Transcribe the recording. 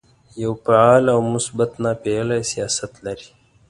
یو فعال او مثبت ناپېیلی سیاست لري.